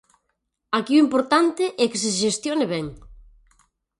Aquí o importante é que se xestione ben.